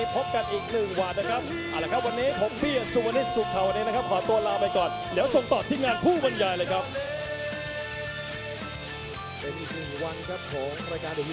เพราะฉะนั้นพรุ่งนี้พบกันอีก๑วันนะครับ